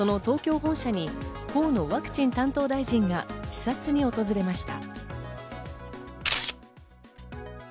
本社に河野ワクチン担当大臣が視察に訪れました。